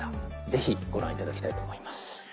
ぜひご覧いただきたいと思います。